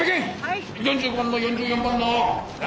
４５番の４４番の７７。